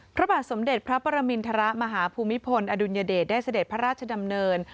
พระบาทสมเด็จพระปรมินทรมาฮภูมิพลอดุลยเดชได้เสด็จพระราชดำเนิน